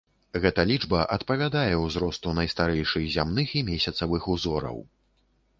Гэта лічба адпавядае ўзросту найстарэйшых зямных і месяцавых узораў.